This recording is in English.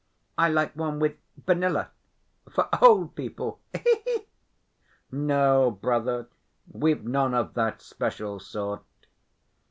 "I like one with vanilla ... for old people. He he!" "No, brother, we've none of that special sort."